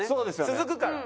続くから。